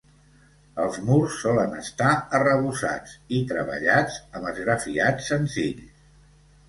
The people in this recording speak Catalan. Els murs solen estar arrebossats i treballats amb esgrafiats senzills.